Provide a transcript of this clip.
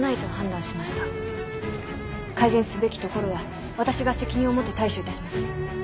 改善すべきところは私が責任を持って対処いたします。